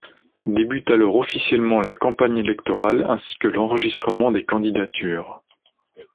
Débute alors officiellement la campagne électorale ainsi que l'enregistrement des candidatures.